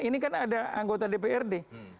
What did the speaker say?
ini kan ada anggota dprd